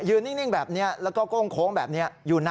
นิ่งแบบนี้แล้วก็โก้งโค้งแบบนี้